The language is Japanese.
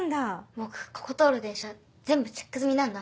僕ここ通る電車全部チェック済みなんだ。